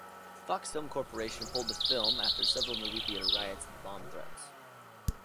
Fox Film Corporation pulled the film after several movie-theater riots and bomb threats.